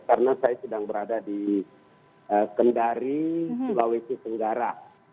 karena saya sedang berada di kendari sulawesi tenggara